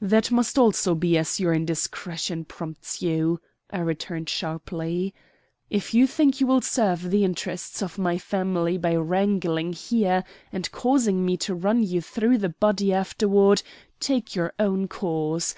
"That must also be as your indiscretion prompts you," I returned sharply. "If you think you will serve the interests of my family by wrangling here, and causing me to run you through the body afterward, take your own course.